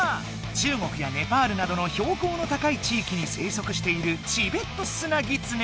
中国やネパールなどのひょう高の高い地いきに生息しているチベットスナギツネ。